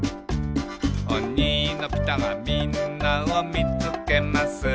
「おにのピタがみんなをみつけます」